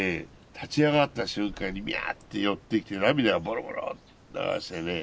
立ち上がった瞬間にミャーって寄ってきて涙がボロボローって流してね